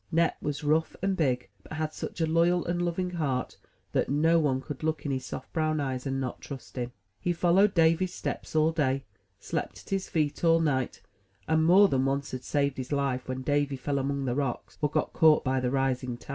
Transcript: Nep was rough and big, but had such a loyal and loving heart that no one could look in his soft brown eyes and not trust him. He followed Davy's steps all day, slept at his feet all night, and more than once had saved his life when Davy fell among the rocks, or got caught by the rising tide.